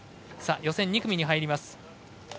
予選２組に入ります。